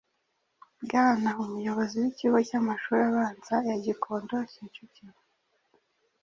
Bwana Umuyobozi w’Ikigo cy’Amashuri Abanza cya Gikondo-Kicukiro.